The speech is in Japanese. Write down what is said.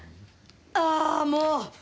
ああ、もう！